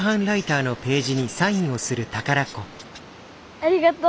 ありがとう。